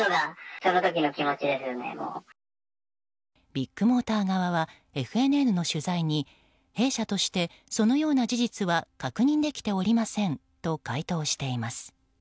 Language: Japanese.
ビッグモーター側はＦＮＮの取材に弊社としてそのような事実は確認できておりませんと回答しております。